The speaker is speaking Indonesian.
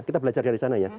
kita belajar dari sana ya